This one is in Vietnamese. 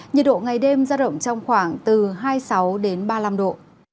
nhiệt độ ngày đêm ra rộng trong khoảng từ hai mươi sáu ba mươi năm độ